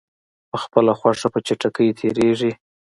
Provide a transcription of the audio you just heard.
په خپله خوښه په چټکۍ تېریږي.